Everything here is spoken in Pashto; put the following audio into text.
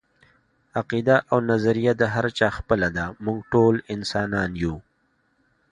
عقیده او نظريه د هر چا خپله ده، موږ ټول انسانان يو